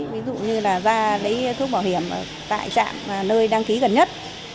ví dụ như là ra lấy thuốc bảo hiểm tại trạm nơi đăng ký gần nhất